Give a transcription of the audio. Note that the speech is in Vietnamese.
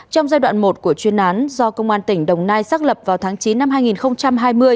trong giai đoạn một của chuyên án do công an tỉnh đồng nai xác lập vào tháng chín năm hai nghìn hai mươi